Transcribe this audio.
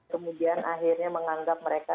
kemudian akhirnya menganggap mereka